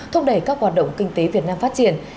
thúc đẩy các hoạt động kinh tế việt nam phát triển